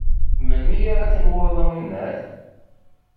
Melmi ara timɣureḍ, a winnat?